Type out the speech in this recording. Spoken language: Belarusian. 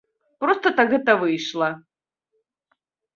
Проста так гэта выйшла.